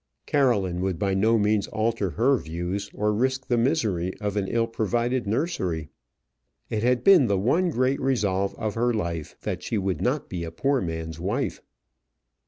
Caroline would by no means alter her views, or risk the misery of an ill provided nursery. It had been the one great resolve of her life, that she would not be a poor man's wife.